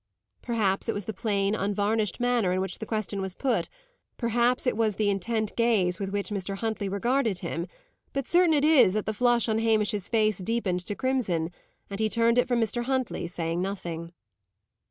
Perhaps it was the plain, unvarnished manner in which the question was put; perhaps it was the intent gaze with which Mr. Huntley regarded him; but, certain it is, that the flush on Hamish's face deepened to crimson, and he turned it from Mr. Huntley, saying nothing.